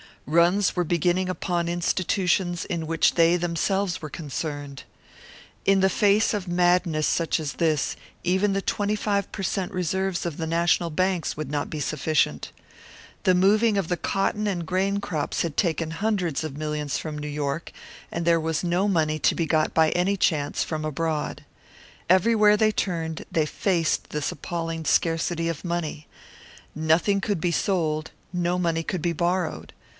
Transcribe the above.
Runs were beginning upon institutions in which they themselves were concerned. In the face of madness such as this, even the twenty five per cent reserves of the national banks would not be sufficient. The moving of the cotton and grain crops had taken hundreds of millions from New York; and there was no money to be got by any chance from abroad. Everywhere they turned, they faced this appalling scarcity of money; nothing could be sold, no money could be borrowed.